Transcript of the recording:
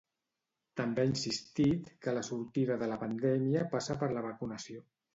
També ha insistit que la sortida de la pandèmia passa per la vacunació.